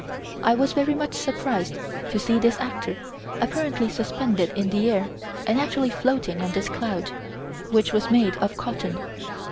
I was very much surprised to see this actor apparently suspended in the air and actually floating on this cloud, which was made of cotton.